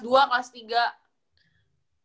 cuma kan waktu itu aku udah di smp